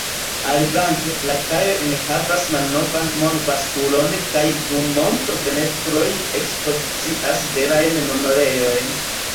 Aliflanke, la kajoj enhavas malnovan mon-baskulon kaj du montro-fenestroj ekspozicias verajn monerojn.